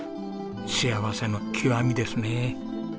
幸せの極みですね。